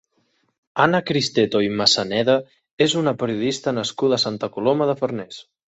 Anna Cristeto i Massaneda és una periodista nascuda a Santa Coloma de Farners.